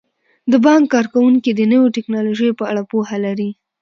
د بانک کارکوونکي د نویو ټیکنالوژیو په اړه پوهه لري.